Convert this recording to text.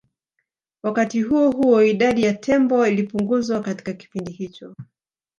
Wakati huo huo idadi ya tembo ilipunguzwa katika kipindi hicho